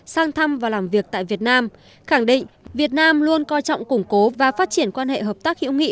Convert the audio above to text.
sang thăm và làm việc tại việt nam khẳng định việt nam luôn coi trọng củng cố và phát triển quan hệ hợp tác hữu nghị